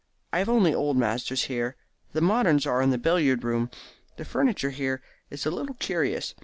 I have only old masters here. The moderns are in the billiard room. The furniture here is a little curious.